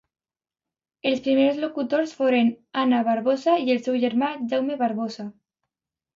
Els primers locutors foren Anna Barbosa i el seu germà, Jaume Barbosa.